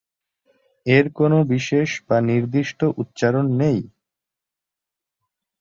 এর কোনো বিশেষ বা নির্দিষ্ট উচ্চারণ নেই।